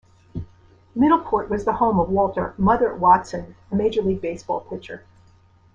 Middleport was the home of Walter "Mother" Watson, a Major League Baseball pitcher.